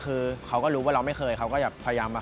คือเขาก็รู้ว่าเราไม่เคยเขาก็จะพยายามแบบ